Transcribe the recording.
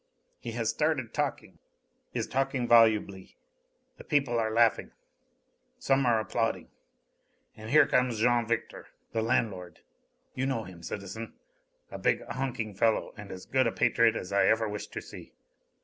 He has started talking ... is talking volubly ... the people are laughing ... some are applauding.... And here comes Jean Victor, the landlord ... you know him, citizen ... a big, hulking fellow, and as good a patriot as I ever wish to see....